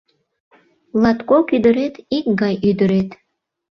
Латкок ӱдырет икгай ӱдырет